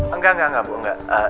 enggak enggak bu enggak